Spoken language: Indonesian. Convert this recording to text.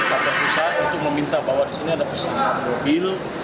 kantor pusat untuk meminta bahwa disini ada pesan mobil